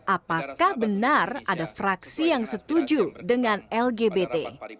apakah benar ada fraksi yang setuju dengan lgbt